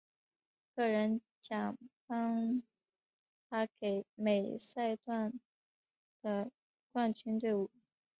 个人奖项颁发给每赛段的冠军队伍。